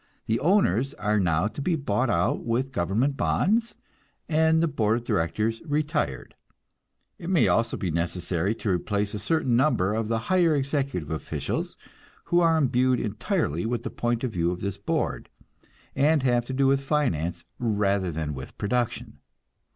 The owners are now to be bought out with government bonds, and the board of directors retired. It may also be necessary to replace a certain number of the higher executive officials, who are imbued entirely with the point of view of this board, and have to do with finance, rather than with production.